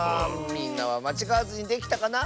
みんなはまちがわずにできたかな？